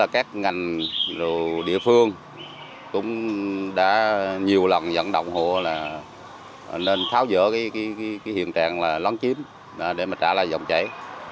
các ngành rùa địa phương cũng đã nhiều lần dẫn động hộ là nên tháo dỡ cái hiện trạng là lón chiếm để mà trả lại dòng cháy